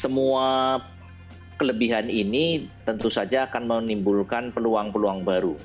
semua kelebihan ini tentu saja akan menimbulkan peluang peluang baru